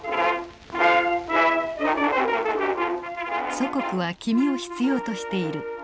「祖国は君を必要としている」。